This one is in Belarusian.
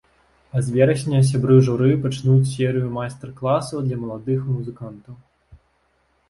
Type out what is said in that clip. А з верасня сябры журы пачнуць серыю майстар-класаў для маладых музыкантаў.